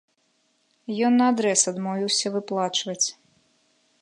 Ён наадрэз адмовіўся выплачваць.